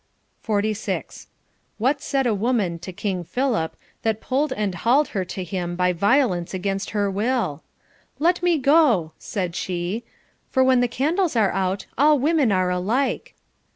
46. What said a woman to King Philip, that pulled and hauled her to him by violence against her will \ Let me go, said she, for when the candles are out, all women are alike.